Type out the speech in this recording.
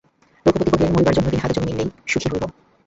রঘুপতি কহিলেন, মরিবার জন্য তিন হাত জমি মিলিলেই সুখী হইব।